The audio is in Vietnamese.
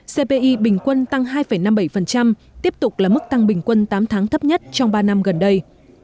cpi bình quân tăng hai năm mươi bảy tiếp tục là mức tăng bình quân tám tháng thấp nhất trong ba năm gần đây